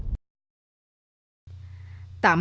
tạm biệt xóm mũi